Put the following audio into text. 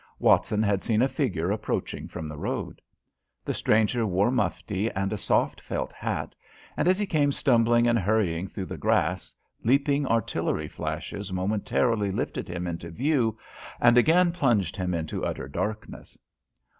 Watson had seen a figure approaching from the road. The stranger wore mufti and a soft felt hat, and as he came stumbling and hurrying through the grass, leaping artillery flashes momentarily lifted him into view, and again plunged him into utter darkness.